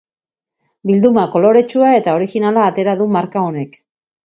Bilduma koloretsua eta originala atera du marka honek.